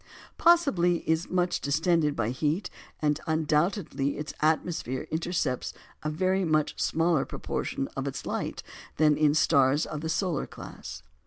Possibly it is much distended by heat, and undoubtedly its atmosphere intercepts a very much smaller proportion of its light than in stars of the solar class.